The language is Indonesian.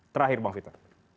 terakhir bang vito